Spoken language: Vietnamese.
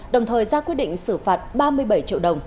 đồng thời ra quyết định xử phạt ba mươi bảy triệu đồng